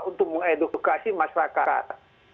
untuk mengedukasi masyarakat